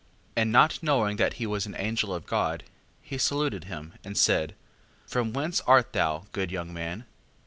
5:6. And not knowing that he was an angel of God, he saluted him, and said: From whence art thou, good young man?